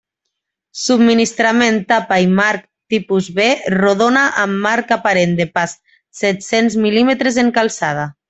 Subministrament tapa i marc Tipus B rodona amb marc aparent de pas set-cents mil·límetres en calçada.